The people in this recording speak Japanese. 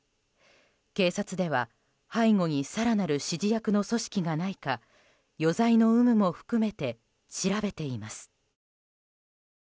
警察では背後に更なる指示役の組織がないか余罪の有無も含めて調べています。